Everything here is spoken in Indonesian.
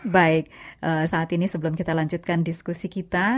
baik saat ini sebelum kita lanjutkan diskusi kita